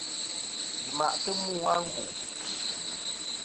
Yi ma'tɨ mu a ngu'.